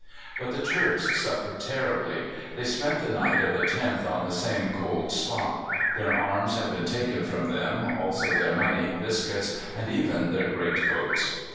But the Turks suffered terribly. They spent the night of the 10th on the same cold spot. Their arms had been taken from them, also their money, biscuits, and even their great coats.